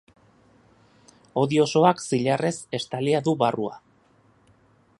Hodi osoak zilarrez estalia du barrua.